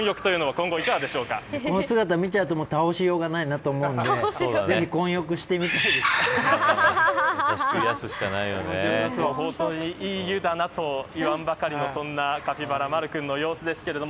この姿、見ちゃうと倒しようがないなと思うんで本当に、いい湯だなと言わんばかりのそんなカピバラまる君の様子ですけれども。